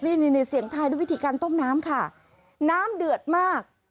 นี่นี่เสียงทายด้วยวิธีการต้มน้ำค่ะน้ำเดือดมาก